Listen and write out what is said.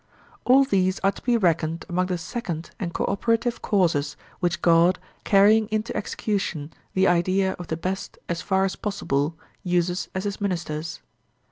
All these are to be reckoned among the second and co operative causes which God, carrying into execution the idea of the best as far as possible, uses as his ministers.